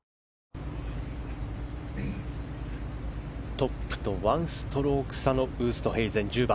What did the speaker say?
トップと１ストローク差のウーストヘイゼン、１０番。